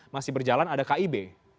masih berjalan ada kib